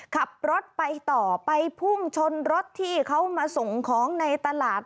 ขับรถไปต่อไปพุ่งชนรถที่เขามาส่งของในตลาด